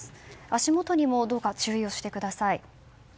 足元にもどうか注意してください。